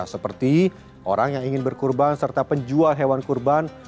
seperti orang yang ingin berkurban serta penjual hewan kurban